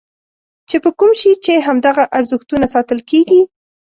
چې په کوم شي چې همدغه ارزښتونه ساتل کېږي.